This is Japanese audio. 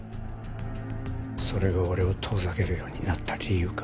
それが俺を遠ざけるようになった理由か。